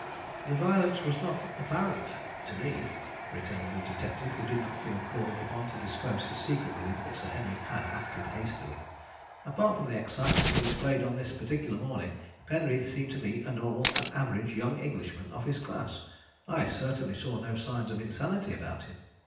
"The violence was not apparent to me," returned the detective, who did not feel called upon to disclose his secret belief that Sir Henry had acted hastily. "Apart from the excitement he displayed on this particular morning, Penreath seemed to me a normal and average young Englishman of his class. I certainly saw no signs of insanity about him.